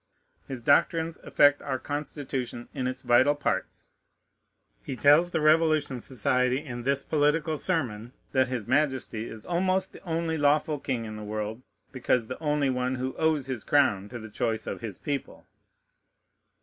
His doctrines affect our Constitution in its vital parts. He tells the Revolution Society, in this political sermon, that his Majesty "is almost the only lawful king in the world, because the only one who owes his crown to the choice of his people."